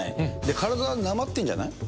体、なまってんじゃない？